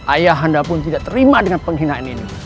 ayah handa pun tidak terima dengan penghinaan ini